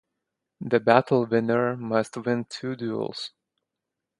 The Battle winner must win two duels.